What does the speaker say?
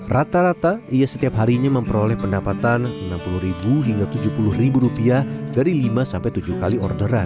rata rata ia setiap harinya memperoleh pendapatan rp enam puluh hingga rp tujuh puluh dari lima sampai tujuh kali orderan